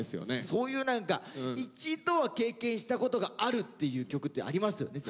そういう何か一度は経験したことがあるっていう曲ってありますよね